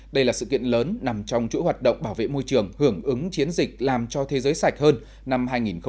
đây là sự kiện lớn nằm trong chuỗi hoạt động bảo vệ môi trường hưởng ứng chiến dịch làm cho thế giới sạch hơn năm hai nghìn một mươi chín